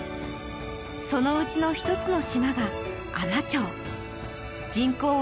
そのうちの一つの島が海士町人口